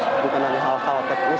bukan hanya hal hal teknis